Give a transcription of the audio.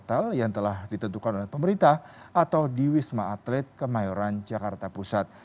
pemilihan karantina antara di hotel yang telah ditentukan oleh pemerintah atau di wisma atlet kemayoran jakarta pusat